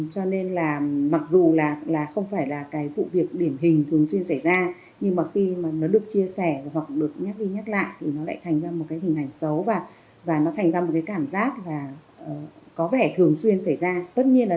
cho nên là mặc dù là không phải là cái vụ việc điển hình thường xuyên xảy ra nhưng mà khi mà nó được chia sẻ hoặc được nhắc đi nhắc lại thì nó lại thành ra một cái hình ảnh xấu và nó thành ra một cái cảm giác là có vẻ thường xuyên xảy ra tất nhiên là